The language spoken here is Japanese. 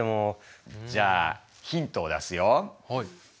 じゃあヒントを出すよ。